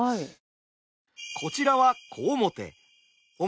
こちらは小面。